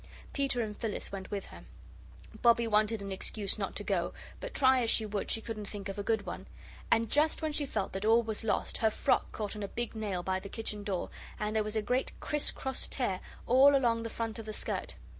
Peter and Phyllis went with her. Bobbie wanted an excuse not to go, but try as she would she couldn't think of a good one. And just when she felt that all was lost, her frock caught on a big nail by the kitchen door and there was a great criss cross tear all along the front of the skirt.